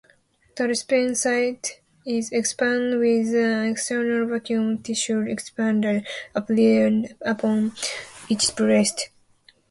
The recipient site is expanded with an external vacuum tissue-expander applied upon each breast.